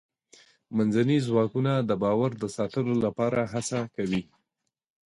منځني ځواکونه د باور د ساتلو لپاره هڅه کوي.